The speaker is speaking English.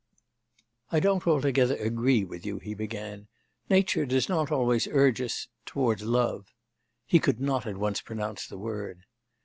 'I don't altogether agree with you,' he began: 'nature does not always urge us... towards love.' (He could not at once pronounce the word.)